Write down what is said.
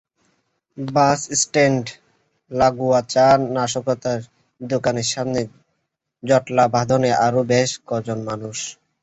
Bus stand লাগোয়া চা-নাশতার দোকানের সামনে জটলা বাঁধেন আরও বেশ কজন মানুষ।